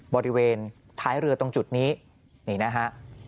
บริเวณท้ายเรือตรงจุดนี้นี่นะฮะ